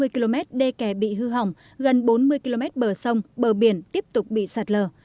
năm trăm bốn mươi km đê kè bị hư hỏng gần bốn mươi km bờ sông bờ biển tiếp tục bị sạt lờ